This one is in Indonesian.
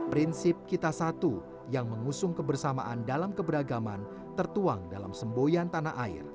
prinsip kita satu yang mengusung kebersamaan dalam keberagaman tertuang dalam semboyan tanah air